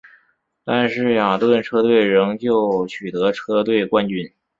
但是雅顿车队仍旧取得车队冠军。